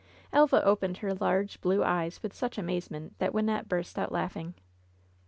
Elva opened her large, blue eyes with such amaze ment that Wynnette burst out laughing.